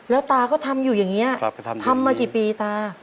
แล้วตาก็ทำอยู่อย่างนี้ทำมากี่ปีตา